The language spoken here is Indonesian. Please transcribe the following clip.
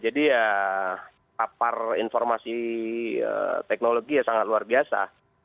jadi ya tapar informasi teknologi ya sangat luar biasa